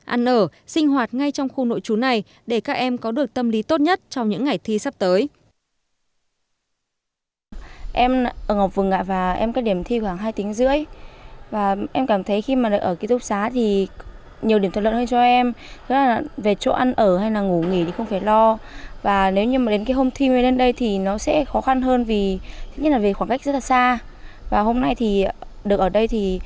ăn ở sinh hoạt ngay trong khu nội trú này để các em có được tâm lý tốt nhất trong những ngày thi sắp tới